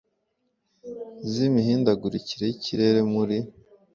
Z’imihindagurikire y’ikirere muri